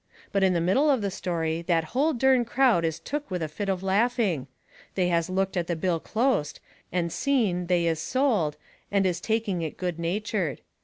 But in the middle of the story that hull dern crowd is took with a fit of laughing. They has looked at the bill closet, and seen they is sold, and is taking it good natured.